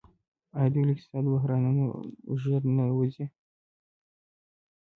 آیا دوی له اقتصادي بحرانونو ژر نه وځي؟